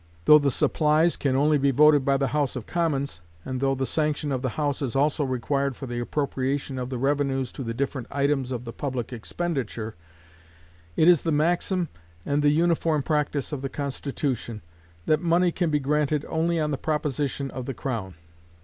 Though the supplies can only be voted by the House of Commons, and though the sanction of the House is also required for the appropriation of the revenues to the different items of the public expenditure, it is the maxim and the uniform practice of the Constitution that money can be granted only on the proposition of the crown.